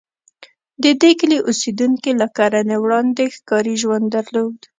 د دې کلي اوسېدونکي له کرنې وړاندې ښکاري ژوند درلود.